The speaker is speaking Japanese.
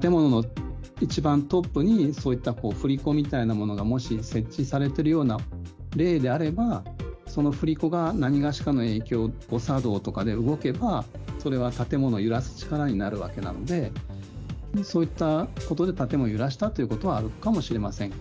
建物の一番トップに、そういった振り子みたいなものが、もし設置されてるような例であれば、その振り子がなにがしかの影響、誤作動とかで動けば、それは建物を揺らす力になるわけなので、そういったことで建物を揺らしたということはあるかもしれません。